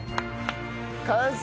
完成！